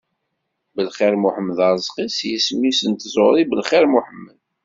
Belxir Muḥemmed Arezki, s yisem-is n tẓuri Belxir Muḥemmed.